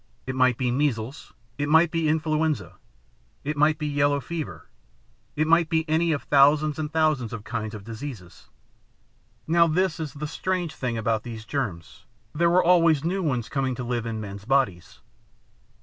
It might be measles, it might be influenza, it might be yellow fever; it might be any of thousands and thousands of kinds of diseases. "Now this is the strange thing about these germs. There were always new ones coming to live in men's bodies.